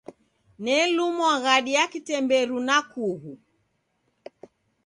Nelumwa ghadi ya kitemberu na kughu.